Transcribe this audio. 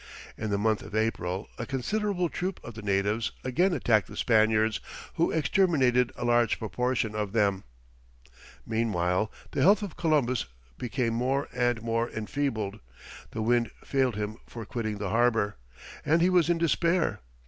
In the month of April, a considerable troop of the natives again attacked the Spaniards, who exterminated a large proportion of them. Meanwhile, the health of Columbus became more and more enfeebled; the wind failed him for quitting the harbour, and he was in despair.